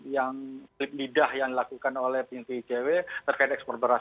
yang didah yang dilakukan oleh pnpjw terkait ekspor berasal